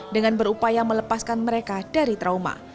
dengan berupaya melepaskan mereka dari trauma